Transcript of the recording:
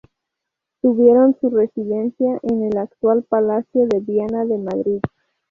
Tuvieron su residencia en el actual Palacio de Viana de Madrid.